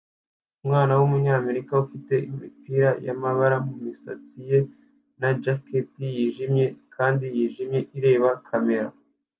Umwana wumunyamerika ufite imipira yamabara mumisatsi ye na jacket yijimye kandi yijimye ireba kamera